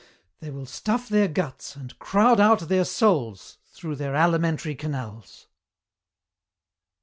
They will stuff their guts and crowd out their souls through their alimentary canals."